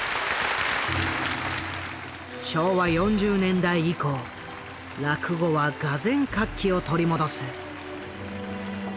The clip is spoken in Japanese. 昭和４０年代以降落語は俄然活気を取り戻す。